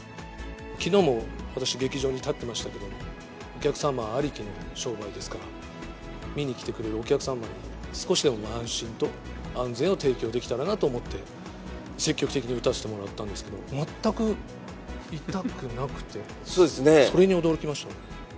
きのうも私、劇場に立ってましたけど、お客様ありきの商売ですから、見に来てくれるお客様に、少しでも安心と安全を提供できたらなと思って、積極的に打たせてもらったんですけど、全く痛くなくて、それに驚きました。